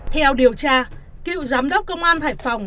theo điều tra cựu giám đốc công an hải phòng